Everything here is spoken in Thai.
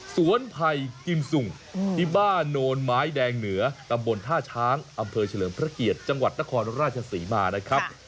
ไผ่กิมสุงที่บ้านโนนไม้แดงเหนือตำบลท่าช้างอำเภอเฉลิมพระเกียรติจังหวัดนครราชศรีมานะครับ